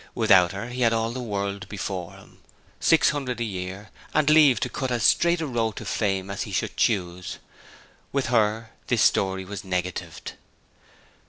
Without her, he had all the world before him, six hundred a year, and leave to cut as straight a road to fame as he should choose: with her, this story was negatived.